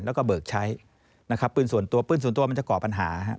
แล้วก็เบิกใช้นะครับปืนส่วนตัวปืนส่วนตัวมันจะก่อปัญหาฮะ